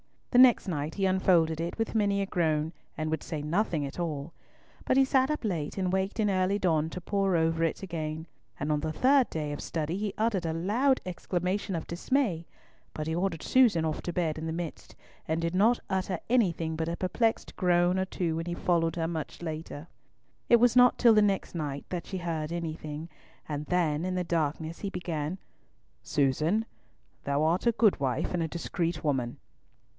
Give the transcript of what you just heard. The next night he unfolded it with many a groan, and would say nothing at all; but he sat up late and waked in early dawn to pore over it again, and on the third day of study he uttered a loud exclamation of dismay, but he ordered Susan off to bed in the midst, and did not utter anything but a perplexed groan or two when he followed her much later. It was not till the next night that she heard anything, and then, in the darkness, he began, "Susan, thou art a good wife and a discreet woman."